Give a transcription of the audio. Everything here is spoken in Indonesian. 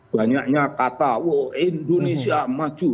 banyaknya kata indonesia maju